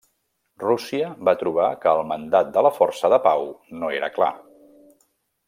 Rússia va trobar que el mandat de la força de pau no era clar.